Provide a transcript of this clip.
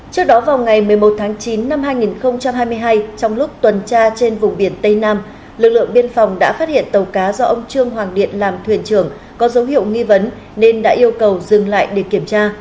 trước đó vào ngày một mươi một tháng chín năm hai nghìn hai mươi hai trong lúc tuần tra trên vùng biển tây nam lực lượng biên phòng đã phát hiện tàu cá do ông trương hoàng điện làm thuyền trưởng có dấu hiệu nghi vấn nên đã yêu cầu dừng lại để kiểm tra